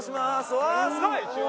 うわあすごい！